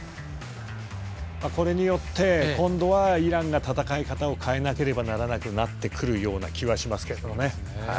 これによって、今度はイランが戦い方を変えなければならなくなってくるような気はしますけど。